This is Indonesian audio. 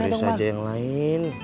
cari saja yang lain